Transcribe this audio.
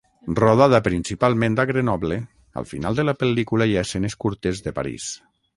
Rodada principalment a Grenoble, al final de la pel·lícula hi ha escenes curtes de París.